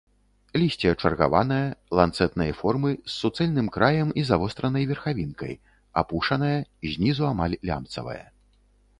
Лісце чаргаванае, ланцэтнай формы, з суцэльным краем і завостранай верхавінкай, апушанае, знізу амаль лямцавае.